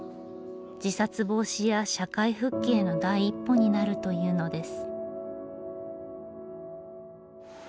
自殺防止や社会復帰への第一歩になるというのです。